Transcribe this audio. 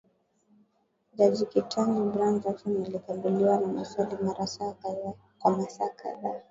jaji Ketanji Brown Jackson alikabiliwa na maswali kwa saa kadhaa